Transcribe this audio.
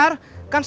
masih enggak tiba